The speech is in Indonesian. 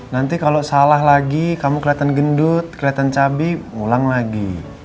nanti kalau salah lagi kamu kelihatan gendut kelihatan cabi ulang lagi